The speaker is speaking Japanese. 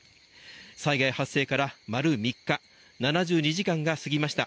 災害発生から丸３日、７２時間が過ぎました。